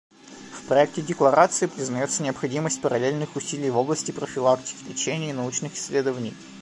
В проекте декларации признается необходимость параллельных усилий в области профилактики, лечения и научных исследований.